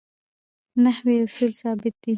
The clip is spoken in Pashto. نحوي اصول ثابت دي.